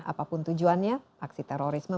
apapun tujuannya aksi terorisme